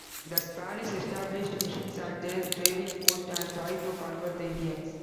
The Spanish established missions at their trading posts and tried to convert the Indians.